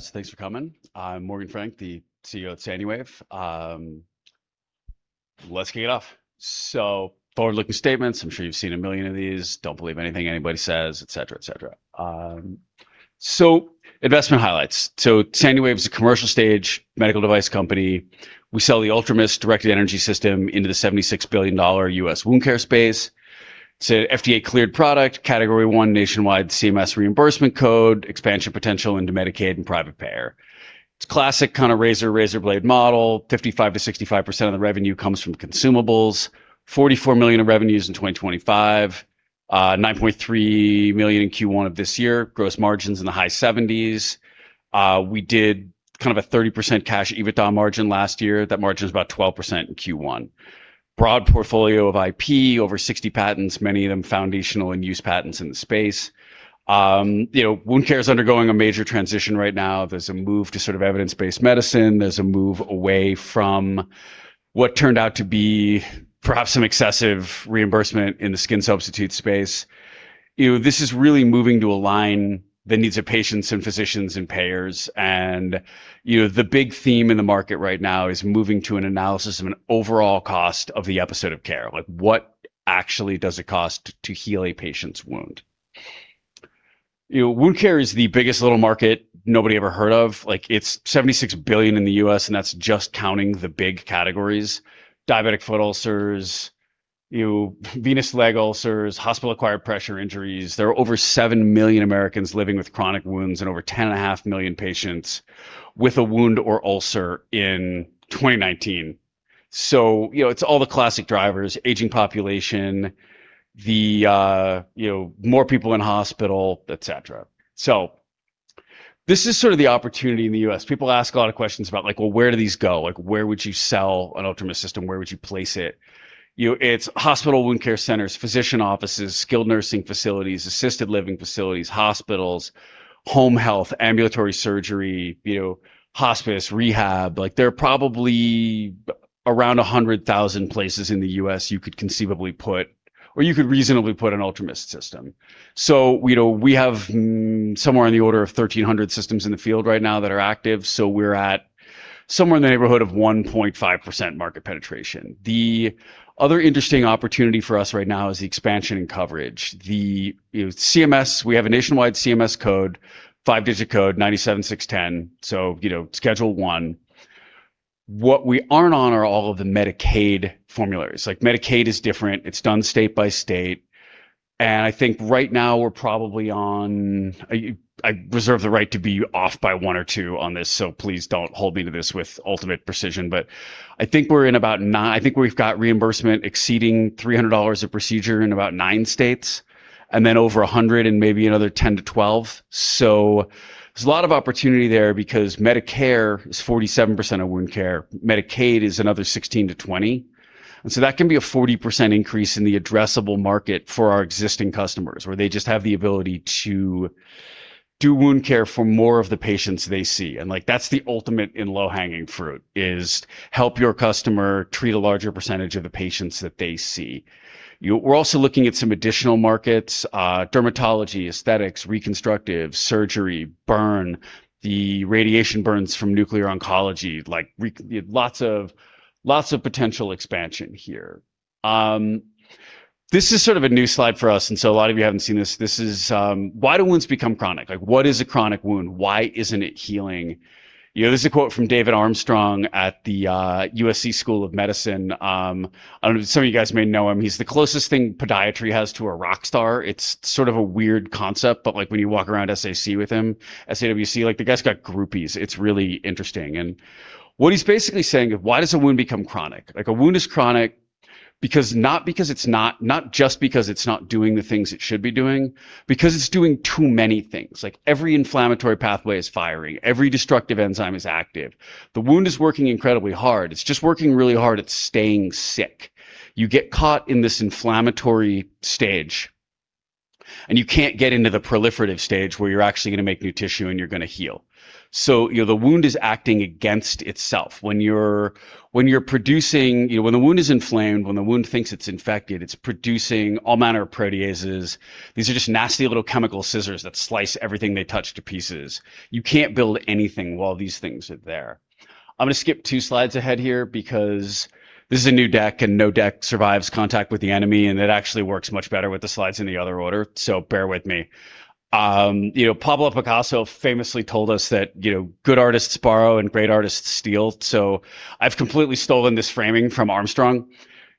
Thanks for coming. I'm Morgan Frank, the CEO at Sanuwave. Let's kick it off. Forward-looking statements. I'm sure you've seen a million of these. Don't believe anything anybody says, et cetera. Investment highlights. Sanuwave's a commercial stage medical device company. We sell the UltraMIST Directed Energy System into the $76 billion U.S. wound care space. It's a FDA-cleared product, Category I nationwide CMS reimbursement code, expansion potential into Medicaid and private payer. It's classic kind of razor blade model. 55%-65% of the revenue comes from consumables. $44 million of revenues in 2025. $9.3 million in Q1 of this year. Gross margins in the high 70s. We did kind of a 30% cash EBITDA margin last year. That margin's about 12% in Q1. Broad portfolio of IP, over 60 patents, many of them foundational in use patents in the space. Wound care is undergoing a major transition right now. There's a move to sort of evidence-based medicine. There's a move away from what turned out to be perhaps some excessive reimbursement in the skin substitute space. This is really moving to align the needs of patients and physicians and payers. The big theme in the market right now is moving to an analysis of an overall cost of the episode of care. What actually does it cost to heal a patient's wound? Wound care is the biggest little market nobody ever heard of. It's $76 billion in the U.S. That's just counting the big categories. Diabetic foot ulcers, venous leg ulcers, Hospital-Acquired Pressure Injuries. There are over 7 million Americans living with chronic wounds and over 10.5 million patients with a wound or ulcer in 2019. It's all the classic drivers, aging population, more people in hospital, et cetera. This is sort of the opportunity in the U.S. People ask a lot of questions about, like, "Well, where do these go? Where would you sell an UltraMIST System? Where would you place it?" It's hospital wound care centers, physician offices, skilled nursing facilities, assisted living facilities, hospitals, home health, ambulatory surgery, hospice, rehab. There are probably around 100,000 places in the U.S. you could conceivably put or you could reasonably put an UltraMIST System. We have somewhere on the order of 1,300 systems in the field right now that are active. We're at somewhere in the neighborhood of 1.5% market penetration. The other interesting opportunity for us right now is the expansion in coverage. We have a nationwide CMS code, five-digit code, 97610. Schedule I. What we aren't on are all of the Medicaid formularies. Medicaid is different. It's done state by state. I think right now we're probably on. I reserve the right to be off by one or two on this, so please don't hold me to this with ultimate precision, but I think we've got reimbursement exceeding $300 a procedure in about nine states, and then over $100 in maybe another 10-12. There's a lot of opportunity there because Medicare is 47% of wound care. Medicaid is another 16%-20%. That can be a 40% increase in the addressable market for our existing customers, where they just have the ability to do wound care for more of the patients they see. That's the ultimate and low-hanging fruit is help your customer treat a larger percentage of the patients that they see. We're also looking at some additional markets, dermatology, aesthetics, reconstructive surgery, burn, the radiation burns from nuclear oncology. Lots of potential expansion here. This is sort of a new slide for us. A lot of you haven't seen this. This is why do wounds become chronic? What is a chronic wound? Why isn't it healing? This is a quote from David Armstrong at the USC School of Medicine. I don't know, some of you guys may know him. He's the closest thing podiatry has to a rock star. It's sort of a weird concept, but when you walk around SAWC with him, the guy's got groupies. It's really interesting. What he's basically saying is why does a wound become chronic? A wound is chronic not just because it's not doing the things it should be doing, because it's doing too many things. Every inflammatory pathway is firing. Every destructive enzyme is active. The wound is working incredibly hard. It's just working really hard at staying sick. You get caught in this inflammatory stage, and you can't get into the proliferative stage where you're actually going to make new tissue and you're going to heal. The wound is acting against itself. When the wound is inflamed, when the wound thinks it's infected, it's producing all manner of proteases. These are just nasty little chemical scissors that slice everything they touch to pieces. You can't build anything while these things are there. I'm going to skip two slides ahead here because this is a new deck. No deck survives contact with the enemy. It actually works much better with the slides in the other order, so bear with me. Pablo Picasso famously told us that good artists borrow and great artists steal. I've completely stolen this framing from Armstrong.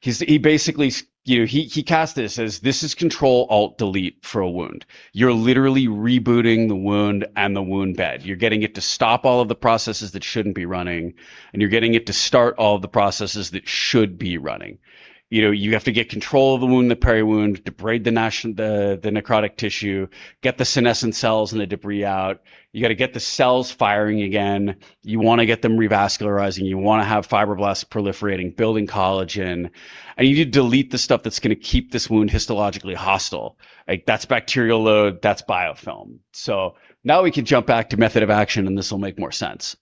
He cast this as this is Control-Alt-Delete for a wound. You're literally rebooting the wound and the wound bed. You're getting it to stop all of the processes that shouldn't be running, and you're getting it to start all of the processes that should be running. You have to get control of the wound, the peri-wound, debride the necrotic tissue, get the senescent cells and the debris out. You got to get the cells firing again. You want to get them revascularizing. You want to have fibroblasts proliferating, building collagen, and you need to delete the stuff that's going to keep this wound histologically hostile. That's bacterial load. That's biofilm. Now we can jump back to method of action. This will make more sense.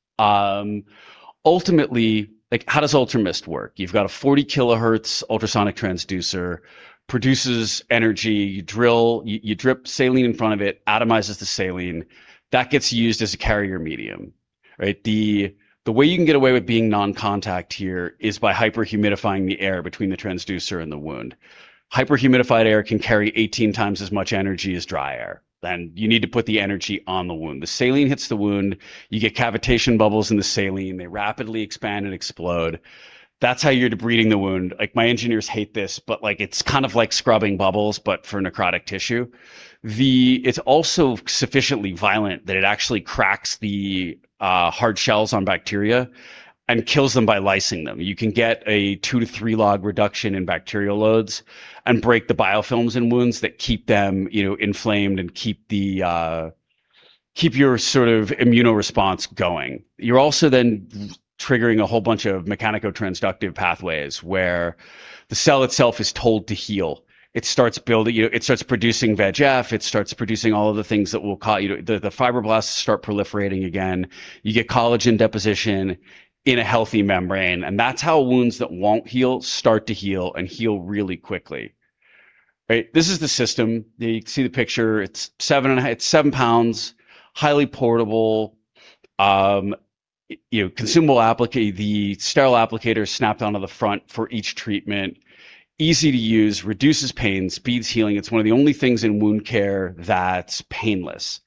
Ultimately, how does UltraMIST work? You've got a 40kHz ultrasonic transducer, produces energy. You drip saline in front of it, atomizes the saline. That gets used as a carrier medium. Right. The way you can get away with being non-contact here is by hyper-humidifying the air between the transducer and the wound. Hyper-humidified air can carry 18 times as much energy as dry air, and you need to put the energy on the wound. The saline hits the wound, you get cavitation bubbles in the saline. They rapidly expand and explode. That's how you're debriding the wound. My engineers hate this, but it's kind of like scrubbing bubbles, but for necrotic tissue. It's also sufficiently violent that it actually cracks the hard shells on bacteria and kills them by lysing them. You can get a two to three log reduction in bacterial loads and break the biofilms in wounds that keep them inflamed and keep your sort of immunoresponse going. You're also then triggering a whole bunch of mechanotransductive pathways where the cell itself is told to heal. It starts producing VEGF. It starts producing all of the things. The fibroblasts start proliferating again. You get collagen deposition in a healthy membrane. That's how wounds that won't heal start to heal and heal really quickly. Right? This is the system. You can see the picture. It's 7lbs, highly portable. Consumable. The sterile applicator is snapped onto the front for each treatment. Easy to use, reduces pain, speeds healing. It's one of the only things in wound care that's painless.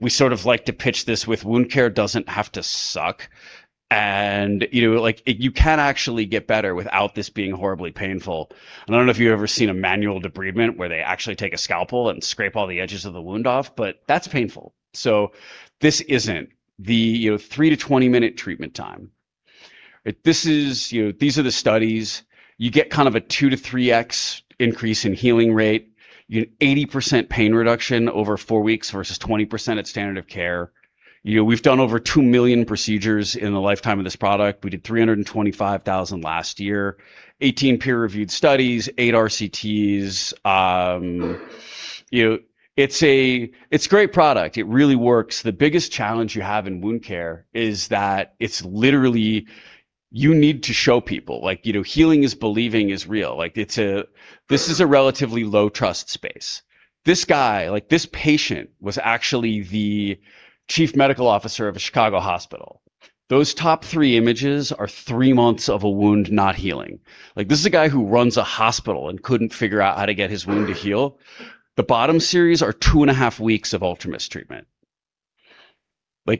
We sort of like to pitch this with, "Wound care doesn't have to suck." You can actually get better without this being horribly painful. I don't know if you've ever seen a manual debridement where they actually take a scalpel and scrape all the edges of the wound off. That's painful. This isn't. The 3-20-minute treatment time. These are the studies. You get kind of a 2x-3x increase in healing rate. You get 80% pain reduction over four weeks versus 20% at standard of care. We've done over 2 million procedures in the lifetime of this product. We did 325,000 last year. 18 peer-reviewed studies, eight RCTs. It's a great product. It really works. The biggest challenge you have in wound care is that it's literally you need to show people. Healing is believing is real. This is a relatively low-trust space. This guy, this patient, was actually the chief medical officer of a Chicago hospital. Those top three images are three months of a wound not healing. This is a guy who runs a hospital and couldn't figure out how to get his wound to heal. The bottom series are two and a half weeks of UltraMIST treatment.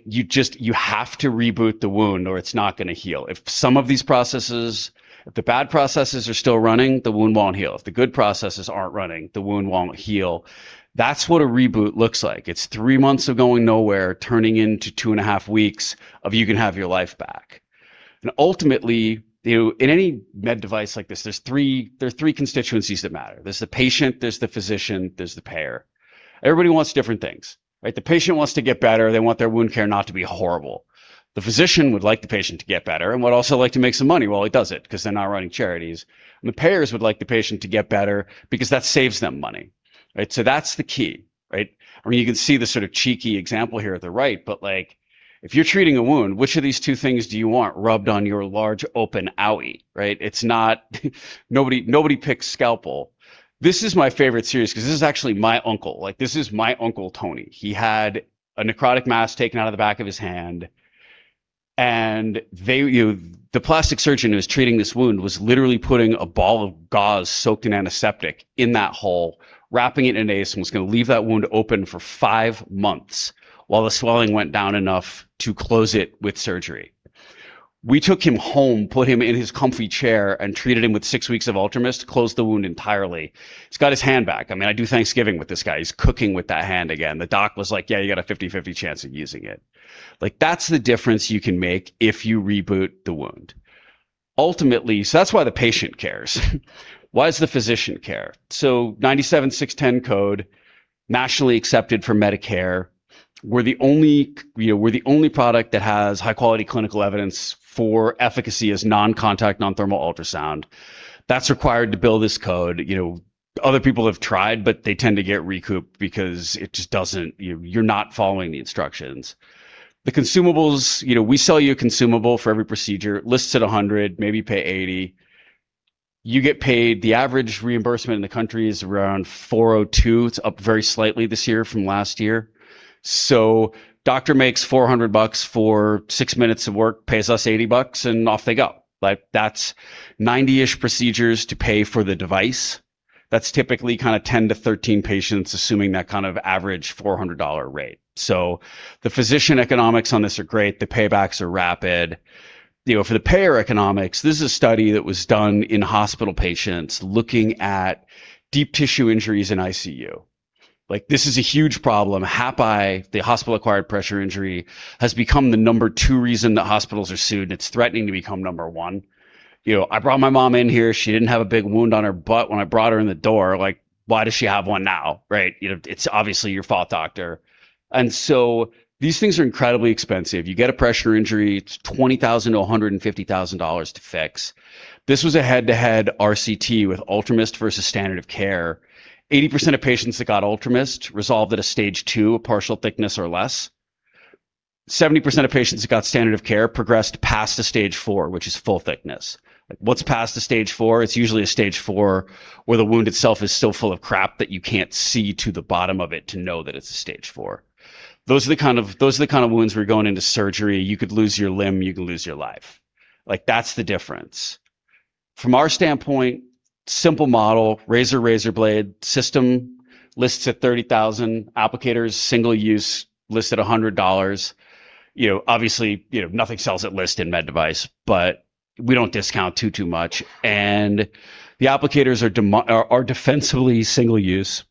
You have to reboot the wound. It's not going to heal. If some of these processes, if the bad processes are still running, the wound won't heal. If the good processes aren't running, the wound won't heal. That's what a reboot looks like. It's three months of going nowhere, turning into two and a half weeks of you can have your life back. Ultimately, in any med device like this, there's three constituencies that matter. There's the patient, there's the physician, there's the payer. Everybody wants different things, right? The patient wants to get better. They want their wound care not to be horrible. The physician would like the patient to get better and would also like to make some money while he does it, because they're not running charities. The payers would like the patient to get better because that saves them money. Right? That's the key, right? You can see the sort of cheeky example here at the right. If you're treating a wound, which of these two things do you want rubbed on your large open owie, right? Nobody picks scalpel. This is my favorite series because this is actually my uncle. This is my Uncle Tony. He had a necrotic mass taken out of the back of his hand, and the plastic surgeon who was treating this wound was literally putting a ball of gauze soaked in antiseptic in that hole, wrapping it in ACE, and was going to leave that wound open for five months while the swelling went down enough to close it with surgery. We took him home, put him in his comfy chair, and treated him with 6 weeks of UltraMIST, closed the wound entirely. He's got his hand back. I do Thanksgiving with this guy. He's cooking with that hand again. The doc was like, "Yeah, you got a 50/50 chance of using it." That's the difference you can make if you reboot the wound. That's why the patient cares. Why does the physician care? 97610 code, nationally accepted for Medicare. We're the only product that has high-quality clinical evidence for efficacy as non-contact, non-thermal ultrasound. That's required to bill this code. Other people have tried, but they tend to get recouped because you're not following the instructions. The consumables, we sell you a consumable for every procedure. Lists at $100, maybe you pay $80. You get paid, the average reimbursement in the country is around $402. It's up very slightly this year from last year. Doctor makes $400 for six minutes of work, pays us $80, and off they go. That's 90-ish procedures to pay for the device. That's typically kind of 10-13 patients, assuming that kind of average $400 rate. The physician economics on this are great. The paybacks are rapid. For the payer economics, this is a study that was done in hospital patients looking at deep tissue injuries in ICU. This is a huge problem. HAPI, the Hospital-Acquired Pressure Injury, has become the number 2 reason that hospitals are sued, and it's threatening to become number 1. I brought my mom in here. She didn't have a big wound on her butt when I brought her in the door. Why does she have one now, right? It's obviously your fault, doctor. These things are incredibly expensive. You get a pressure injury, it's $20,000-$150,000 to fix. This was a head-to-head RCT with UltraMIST versus standard of care. 80% of patients that got UltraMIST resolved at a Stage II, a partial thickness or less. 70% of patients that got standard of care progressed past a Stage IV, which is full thickness. What's past a stage 4? It's usually a stage 4 where the wound itself is so full of crap that you can't see to the bottom of it to know that it's a stage 4. Those are the kind of wounds where you're going into surgery. You could lose your limb, you could lose your life. That's the difference. From our standpoint, simple model, razor blade system lists at $30,000 applicators, single use listed $100. Obviously, nothing sells at list in med device, but we don't discount too much. The applicators are defensively single use.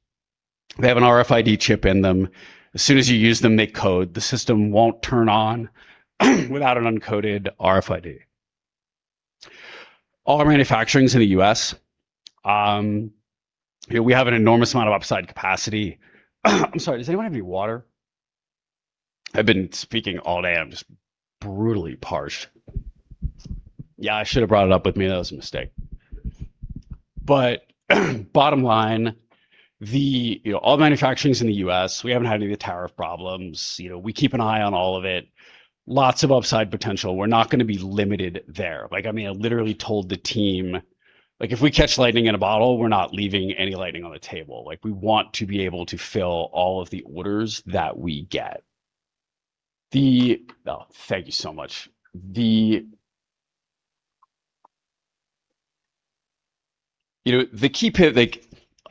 They have an RFID chip in them. As soon as you use them, they code. The system won't turn on without an uncoded RFID. All our manufacturing's in the U.S. We have an enormous amount of upside capacity. I'm sorry, does anyone have any water? I've been speaking all day. I'm just brutally parched. Yeah, I should have brought it up with me. That was a mistake. Bottom line, all the manufacturing's in the U.S. We haven't had any tariff problems. We keep an eye on all of it. Lots of upside potential. We're not going to be limited there. I literally told the team, "If we catch lightning in a bottle, we're not leaving any lightning on the table." We want to be able to fill all of the orders that we get. Thank you so much.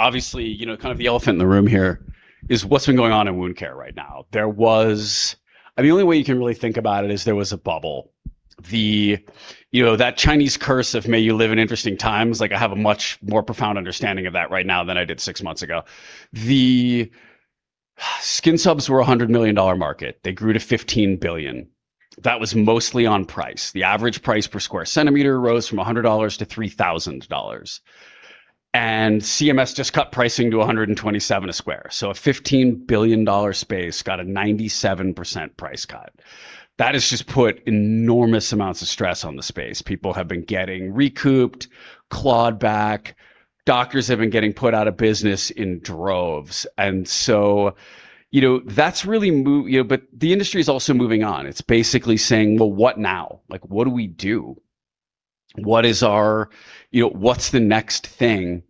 Obviously, kind of the elephant in the room here is what's been going on in wound care right now. The only way you can really think about it is there was a bubble. That Chinese curse of may you live in interesting times, I have a much more profound understanding of that right now than I did six months ago. The skin subs were $100 million market. They grew to $15 billion. That was mostly on price. The average price per square centimeter rose from $100 to $3,000. CMS just cut pricing to $127 a square. A $15 billion space got a 97% price cut. That has just put enormous amounts of stress on the space. People have been getting recouped, clawed back. Doctors have been getting put out of business in droves. The industry's also moving on. It's basically saying, "Well, what now? What do we do? What's the next thing?"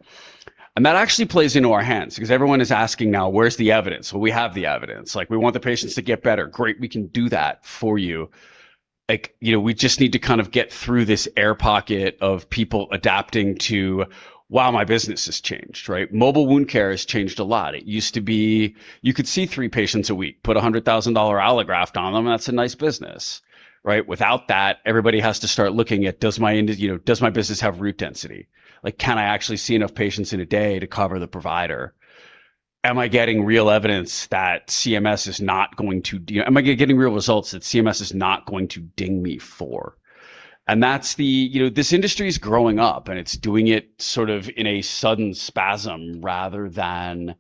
That actually plays into our hands because everyone is asking now, "Where's the evidence?" Well, we have the evidence. We want the patients to get better. Great. We can do that for you. We just need to kind of get through this air pocket of people adapting to, wow, my business has changed, right? Mobile wound care has changed a lot. It used to be you could see three patients a week, put a $100,000 allograft on them. That's a nice business, right? Without that, everybody has to start looking at, does my business have route density? Can I actually see enough patients in a day to cover the provider? Am I getting real results that CMS is not going to ding me for? This industry's growing up, and it's doing it sort of in a sudden spasm rather than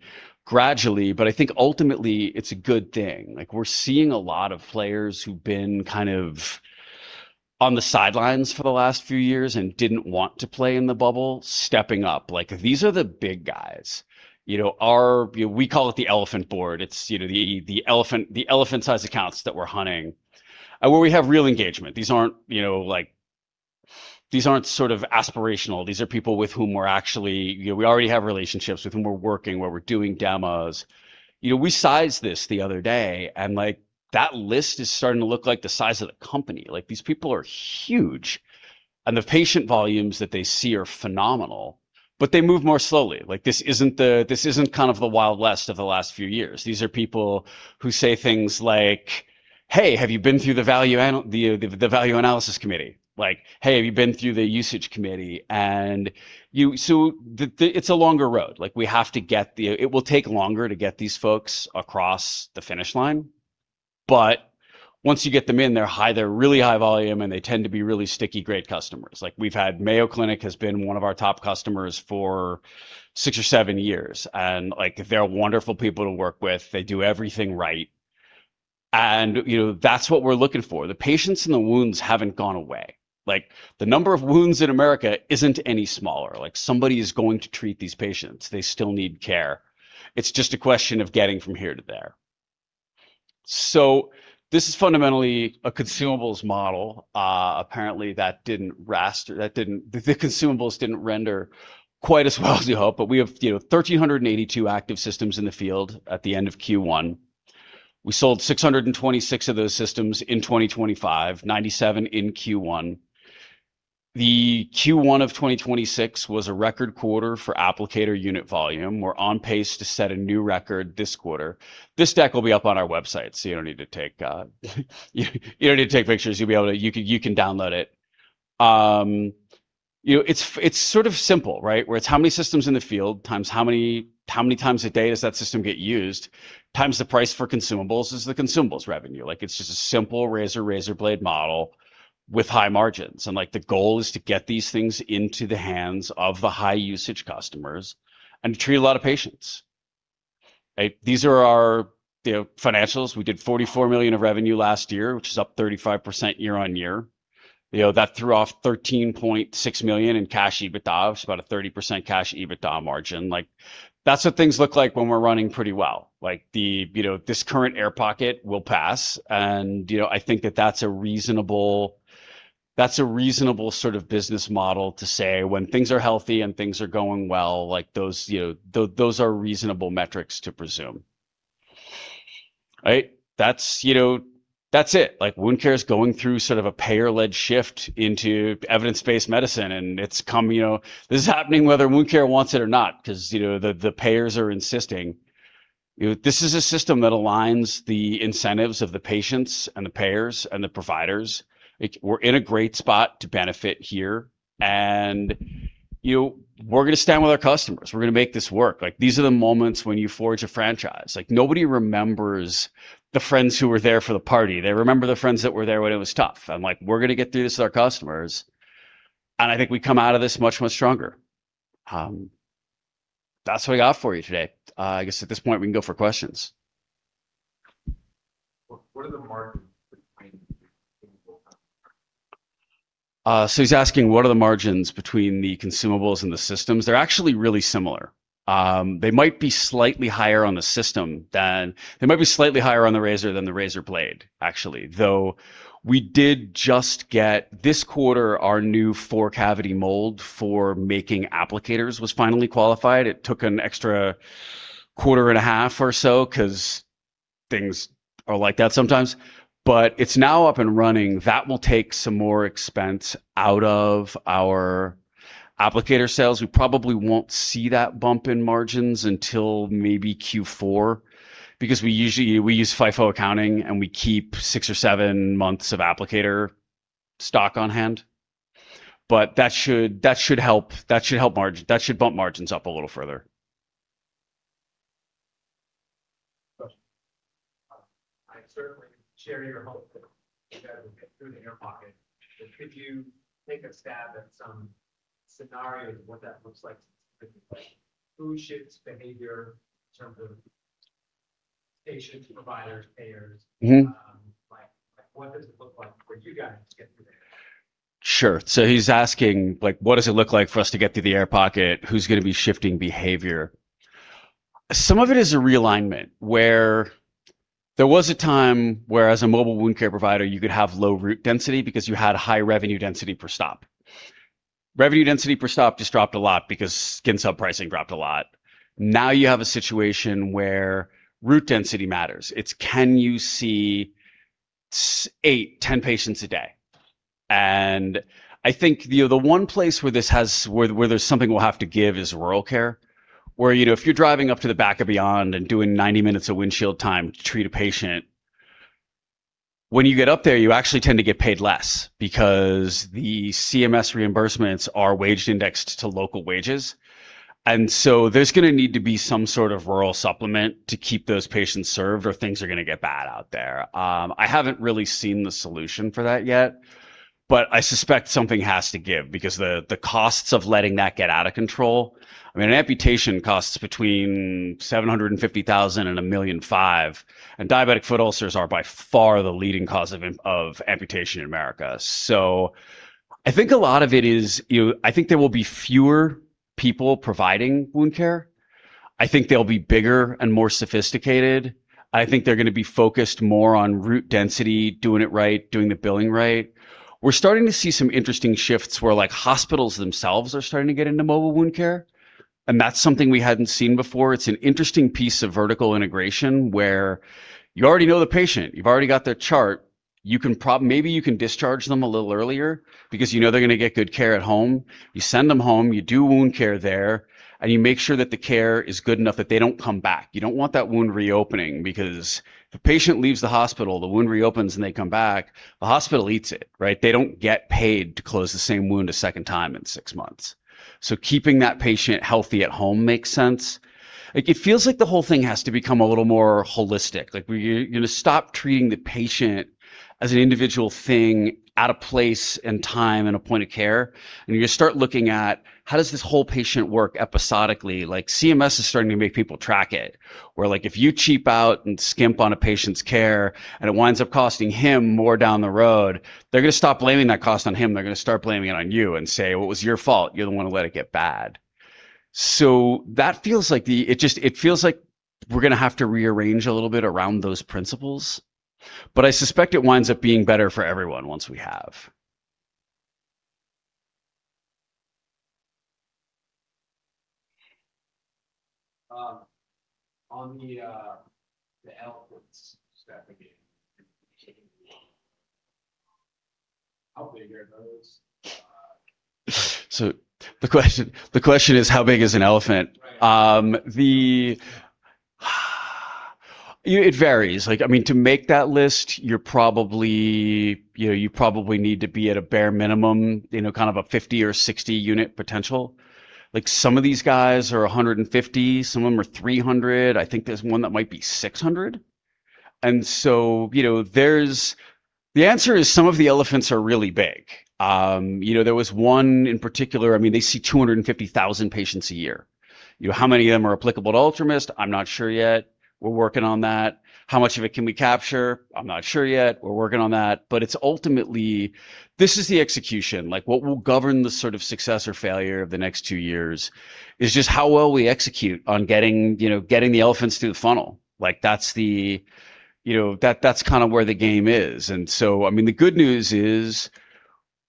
gradually. I think ultimately it's a good thing. We're seeing a lot of players who've been kind of on the sidelines for the last few years and didn't want to play in the bubble stepping up. These are the big guys. We call it the elephant board. It's the elephant size accounts that we're hunting, where we have real engagement. These aren't sort of aspirational. These are people with whom we already have relationships, with whom we're working, where we're doing demos. We sized this the other day, that list is starting to look like the size of the company. These people are huge, the patient volumes that they see are phenomenal, but they move more slowly. This isn't kind of the Wild West of the last few years. These are people who say things like, "Hey, have you been through the value analysis committee?" "Hey, have you been through the usage committee?" It's a longer road. It will take longer to get these folks across the finish line. Once you get them in, they're really high volume, and they tend to be really sticky, great customers. Mayo Clinic has been one of our top customers for six or seven years, and they're wonderful people to work with. They do everything right. That's what we're looking for. The patients and the wounds haven't gone away. The number of wounds in America isn't any smaller. Somebody is going to treat these patients. They still need care. It's just a question of getting from here to there. This is fundamentally a consumables model. Apparently, the consumables didn't render quite as well as we hoped. We have 1,382 active systems in the field at the end of Q1. We sold 626 of those systems in 2025, 97 in Q1. The Q1 of 2026 was a record quarter for applicator unit volume. We're on pace to set a new record this quarter. This deck will be up on our website, you don't need to take pictures. You can download it. It's sort of simple, right? Where it's how many systems in the field times how many times a day does that system get used times the price for consumables is the consumables revenue. It's just a simple razor blade model with high margins, the goal is to get these things into the hands of the high-usage customers and to treat a lot of patients. These are our financials. We did $44 million of revenue last year, which is up 35% year-over-year. That threw off $13.6 million in cash EBITDA, which is about a 30% cash EBITDA margin. That's what things look like when we're running pretty well. This current air pocket will pass, I think that that's a reasonable sort of business model to say when things are healthy and things are going well, those are reasonable metrics to presume. Right? That's it. Wound care is going through sort of a payer-led shift into evidence-based medicine, this is happening whether wound care wants it or not, because the payers are insisting. This is a system that aligns the incentives of the patients and the payers and the providers. We're in a great spot to benefit here, we're going to stand with our customers. We're going to make this work. These are the moments when you forge a franchise. Nobody remembers the friends who were there for the party. They remember the friends that were there when it was tough, we're going to get through this with our customers, I think we come out of this much, much stronger. That's what we got for you today. I guess at this point, we can go for questions. What are the margins between the consumables and the systems? What are the margins between the consumables and the systems? They're actually really similar. They might be slightly higher on the razor than the razor blade, actually. We did just get, this quarter, our new four-cavity mold for making applicators was finally qualified. It took an extra quarter and a half or so because things are like that sometimes. It's now up and running. That will take some more expense out of our applicator sales. We probably won't see that bump in margins until maybe Q4 because we use FIFO accounting, and we keep six or seven months of applicator stock on hand. That should help margins. That should bump margins up a little further. I certainly share your hope that you guys will get through the air pocket, could you take a stab at some scenarios of what that looks like specifically? Who shifts behavior in terms of patients, providers, payers? What does it look like for you guys to get through there? Sure. What does it look like for us to get through the air pocket? Who's going to be shifting behavior? Some of it is a realignment where there was a time where, as a mobile wound care provider, you could have low route density because you had high revenue density per stop. Revenue density per stop just dropped a lot because skin sub pricing dropped a lot. You have a situation where route density matters. It's can you see 8-10 patients a day? I think the one place where there's something we'll have to give is rural care, where if you're driving up to the back of beyond and doing 90 minutes of windshield time to treat a patient, when you get up there, you actually tend to get paid less because the CMS reimbursements are wage-indexed to local wages. There's going to need to be some sort of rural supplement to keep those patients served, or things are going to get bad out there. I haven't really seen the solution for that yet, but I suspect something has to give because the costs of letting that get out of control. An amputation costs between $750,000-$1.5 million, and diabetic foot ulcers are by far the leading cause of amputation in America. I think there will be fewer people providing wound care. I think they'll be bigger and more sophisticated. I think they're going to be focused more on route density, doing it right, doing the billing right. We're starting to see some interesting shifts where hospitals themselves are starting to get into mobile wound care, and that's something we hadn't seen before. It's an interesting piece of vertical integration where you already know the patient. You've already got their chart. Maybe you can discharge them a little earlier because you know they're going to get good care at home. You send them home, you do wound care there, and you make sure that the care is good enough that they don't come back. You don't want that wound reopening because if the patient leaves the hospital, the wound reopens, and they come back, the hospital eats it, right? They don't get paid to close the same wound a second time in six months. Keeping that patient healthy at home makes sense. It feels like the whole thing has to become a little more holistic. You're going to stop treating the patient as an individual thing at a place and time and a point of care, and you're going to start looking at how does this whole patient work episodically. CMS is starting to make people track it, where if you cheap out and skimp on a patient's care and it winds up costing him more down the road, they're going to stop blaming that cost on him. They're going to start blaming it on you and say, "Well, it was your fault. You're the one who let it get bad." It feels like we're going to have to rearrange a little bit around those principles, but I suspect it winds up being better for everyone once we have. On the elephants that you're targeting, how big are those? The question is how big is an elephant? It varies. To make that list, you probably need to be at a bare minimum, kind of a 50 or 60 unit potential. Some of these guys are 150, some of them are 300. I think there's one that might be 600. The answer is some of the elephants are really big. There was one in particular, they see 250,000 patients a year. How many of them are applicable to UltraMIST? I'm not sure yet. We're working on that. How much of it can we capture? I'm not sure yet. We're working on that. Ultimately, this is the execution. What will govern the sort of success or failure of the next two years is just how well we execute on getting the elephants through the funnel. That's kind of where the game is. The good news is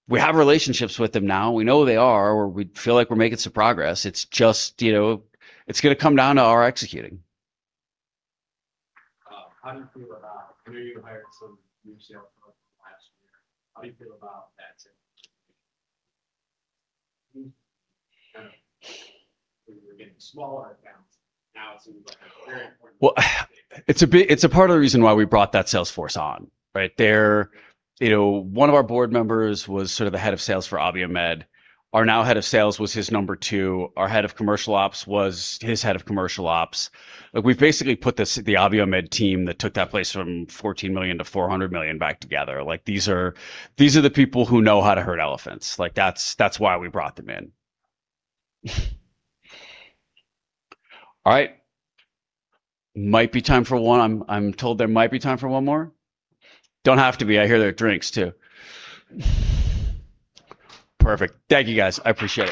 we have relationships with them now. We know who they are. We feel like we're making some progress. It's going to come down to our executing. How do you feel? I know you hired some new sales folks last year. How do you feel about that team? When you were getting smaller accounts. Now it seems like a very important- Well, it's a part of the reason why we brought that sales force on, right? One of our board members was sort of the head of sales for Abiomed. Our now head of sales was his number two. Our head of commercial ops was his head of commercial ops. We've basically put the Abiomed team that took that place from $14 million to $400 million back together. These are the people who know how to herd elephants. That's why we brought them in. All right. I'm told there might be time for one more. Don't have to be. I hear there are drinks too. Perfect. Thank you, guys. I appreciate it.